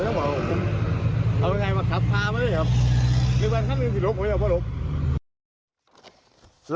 มีบางท่านมีสิหลบหลบหลบ